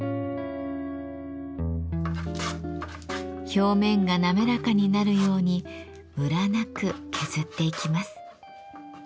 表面が滑らかになるようにムラなく削っていきます。